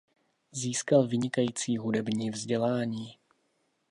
Získal vynikající hudební vzdělání.